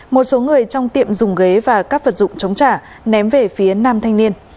một số người trong tiệm dùng ghế và các vật dụng chống trả ném về phía nam thanh niên